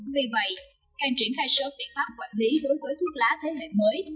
vì vậy càng triển khai sớm biện pháp quản lý đối với thuốc lá thế hệ mới